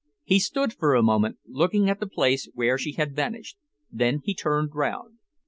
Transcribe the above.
He stood for a moment looking at the place where she had vanished. Then he turned round.